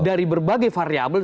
dari berbagai variable